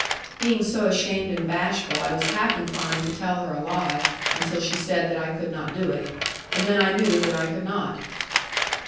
Being so ashamed and bashful, I was half inclined to tell her a lie, until she said that I could not do it; and then I knew that I could not.